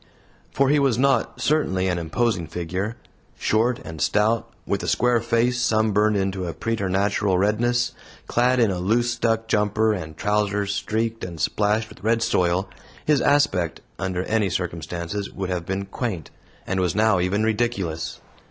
For he was not, certainly, an imposing figure. Short and stout, with a square face sunburned into a preternatural redness, clad in a loose duck "jumper" and trousers streaked and splashed with red soil, his aspect under any circumstances would have been quaint, and was now even ridiculous.